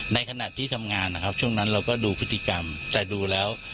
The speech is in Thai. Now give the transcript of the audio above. ในขณะที่ทำงานนะครับช่วงนั้นเราก็ดูพฤติกรรมแต่ดูแล้ว